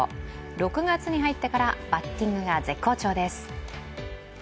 ６月に入ってからバッティングが絶好調です。